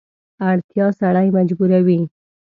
اړتیا سړی مجبوروي.